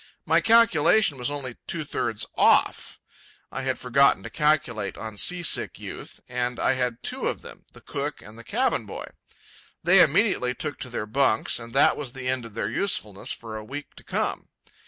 My calculation was only two thirds off; I had forgotten to calculate on seasick youth, and I had two of them, the cook and the cabin boy. They immediately took to their bunks, and that was the end of their usefulness for a week to come.